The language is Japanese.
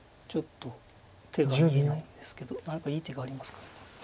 ちょっと手が見えないんですけど何かいい手がありますか。